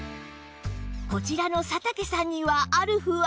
こちらの佐竹さんにはある不安が